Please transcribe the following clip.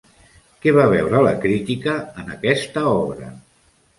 Què va veure la crítica en aquesta obra?